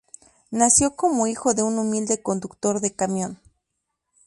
Nació como hijo de un humilde conductor de camión.